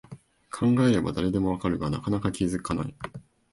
考えれば誰でもわかるが、なかなか気づかない